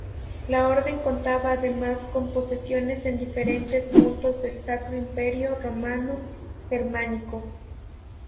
La orden contaba además con posesiones en diferentes puntos del Sacro Imperio Romano Germánico.